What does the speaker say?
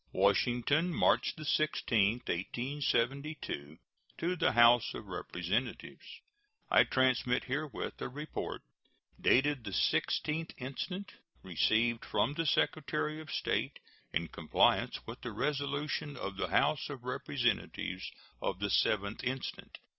WASHINGTON, March 16, 1872. To the House of Representatives: I transmit herewith a report, dated the 16th instant, received from the Secretary of State, in compliance with the resolution of the House of Representatives of the 7th instant.